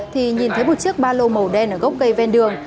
thì nhìn thấy một chiếc ba lô màu đen ở gốc cây ven đường